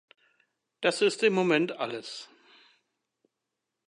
Das ist im Moment alles.